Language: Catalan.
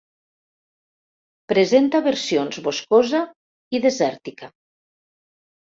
Presenta versions boscosa i desèrtica.